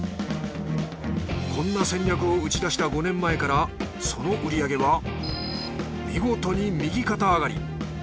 こんな戦略を打ち出した５年前からその売り上げは見事に右肩上がり。